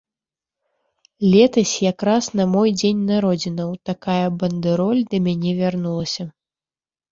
Летась якраз на мой дзень народзінаў такая бандэроль да мяне вярнулася.